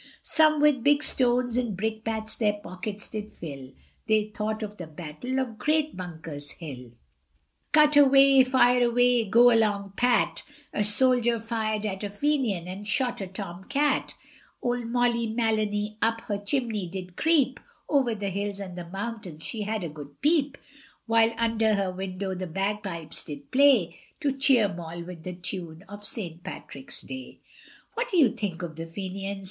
Some with big stones and brickbats their pockets did fill, They thought of the battle of great Bunker's Hill, Cut away, fire away, go along Pat, A soldier fired at a Fenian, and shot a tom cat; Old Molly Maloney, up her chimney did creep, Over the hills and the mountains she had a good peep, While under her window the bagpipes did play, To cheer Moll with the tune of St. Patrick's day. What do you think of the Fenians?